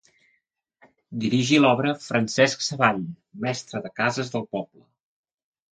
Dirigí l'obra Francesc Savall, mestre de cases del poble.